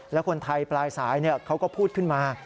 แล้วคนไทยปลายสายเขาก็พูดขึ้นมา